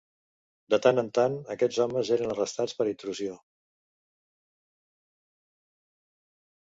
De tant en tant, aquests homes eren arrestats per intrusió.